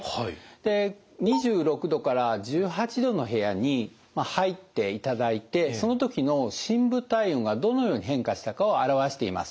で２６℃から１８℃の部屋に入っていただいてその時の深部体温がどのように変化したかを表しています。